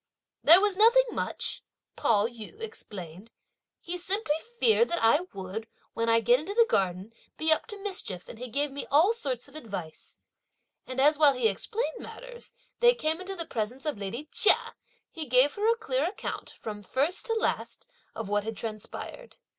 "There was nothing much," Pao yü explained, "he simply feared that I would, when I get into the garden, be up to mischief, and he gave me all sorts of advice;" and, as while he explained matters, they came into the presence of lady Chia, he gave her a clear account, from first to last, of what had transpired.